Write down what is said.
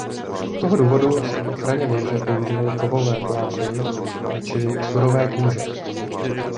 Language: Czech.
Z toho důvodu se k ochraně věže používaly kovové pláty či surové kůže.